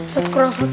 satu kurang satu satu